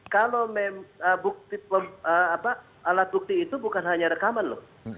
kalau alat bukti itu bukan hanya rekaman loh